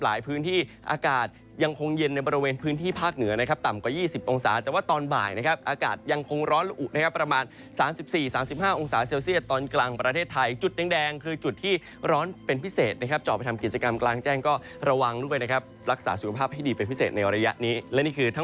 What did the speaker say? พื้นที่อากาศยังคงเย็นในบริเวณพื้นที่ภาคเหนือนะครับต่ำกว่า๒๐องศาแต่ว่าตอนบ่ายนะครับอากาศยังคงร้อนละอุนะครับประมาณ๓๔๓๕องศาเซลเซียตตอนกลางประเทศไทยจุดแดงคือจุดที่ร้อนเป็นพิเศษนะครับเจาะไปทำกิจกรรมกลางแจ้งก็ระวังด้วยนะครับรักษาสุขภาพให้ดีเป็นพิเศษในระยะนี้และนี่คือทั้ง